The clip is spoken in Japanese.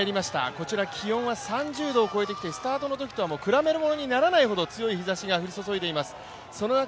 こちら気温は３０度を超えてきて、スタートのときとは比べものにならないぐらい強い日ざしが降り注いでいます。